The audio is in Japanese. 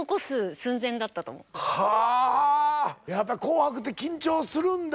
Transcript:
やっぱり「紅白」って緊張するんだ。